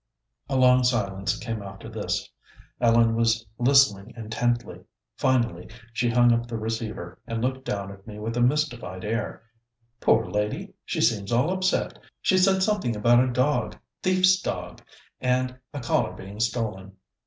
A long silence came after this. Ellen was listening intently. Finally she hung up the receiver, and looked down at me with a mystified air. "Poor lady she seems all upset. She said something about a dog thief's dog, and a collar being stolen.